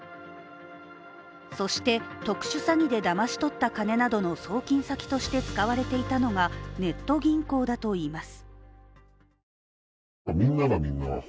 そして、特殊詐欺でだまし取った金などの送金先として使われていたのが、ネット銀行だといいます。